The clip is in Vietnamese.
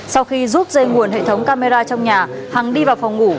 sau khi rút dây nguồn hệ thống camera trong nhà hằng đi vào phòng ngủ